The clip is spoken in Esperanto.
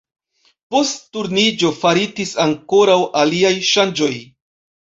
Post Turniĝo faritis ankoraŭ aliaj ŝanĝoj.